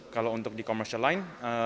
kalau untuk di commercial line